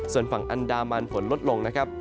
ส่วนฝั่งอันดามันฝนลดลง